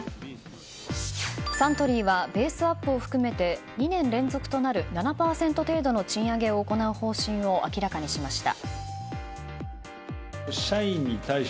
サントリーはベースアップを含めて２年連続となる７％程度の賃上げを行う方針を明らかにしました。